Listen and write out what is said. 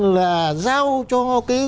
là giao cho cái